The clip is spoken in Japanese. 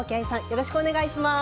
よろしくお願いします。